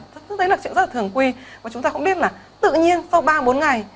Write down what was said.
thứ đấy là chuyện rất là thường quy và chúng ta cũng biết là tự nhiên sau ba bốn ngày